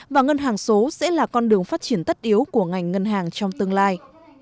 và ngân hàng số sẽ là con đường phát triển tất yếu của ngành ngân hàng trong tương lai